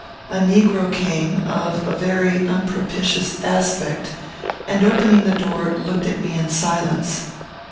A negro came, of a very unpropitious aspect, and, opening the door, looked at me in silence.